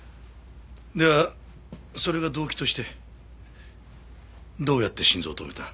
ではそれが動機としてどうやって心臓を止めた？